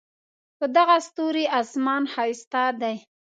په دغه ستوري آسمان ښایسته دی